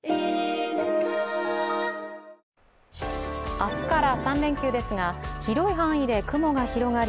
明日から３連休ですが、広い範囲で雲が広がり